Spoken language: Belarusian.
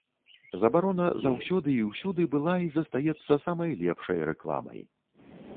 Забарона заўсёды і ўсюды была і застаецца самай лепшай рэкламай.